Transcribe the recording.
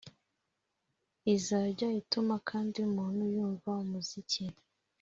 Izajya ituma kandi umuntu yumva umuziki